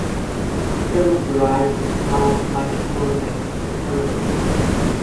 The term is derived from the sound Nightcrawler makes when teleporting.